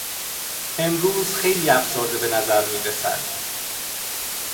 امروز خیلی افسرده به نظر میرسد.